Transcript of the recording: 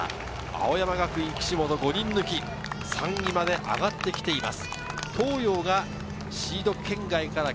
青山学院の岸本は５人抜き、３位まで上がっています。